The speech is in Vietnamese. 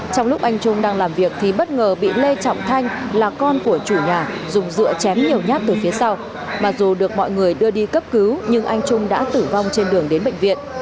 trong lúc anh trung đang làm việc thì bất ngờ bị lê trọng thanh là con của chủ nhà dùng dựa chém nhiều nhát từ phía sau mà dù được mọi người đưa đi cấp cứu nhưng anh trung đã tử vong trên đường đến bệnh viện